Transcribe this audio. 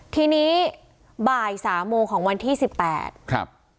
ทีนี้บ่ายสามโมงของวันที่สิบแปดครับ